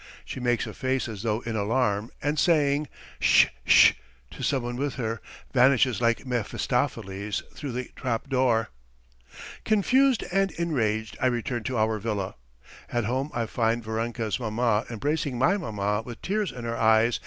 . She makes a face as though in alarm, and saying "sh sh" to someone with her, vanishes like Mephistopheles through the trapdoor. Confused and enraged, I return to our villa. At home I find Varenka's maman embracing my maman with tears in her eyes.